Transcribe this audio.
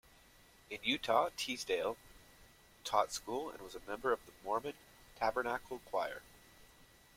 In Utah, Teasdale taught school and was a member of the Mormon Tabernacle Choir.